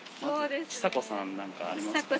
ちさ子さんなんかありますか？